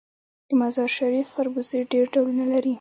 د مزار شریف خربوزې ډیر ډولونه لري.